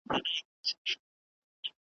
له عمرونو په دې کور کي هستېدله .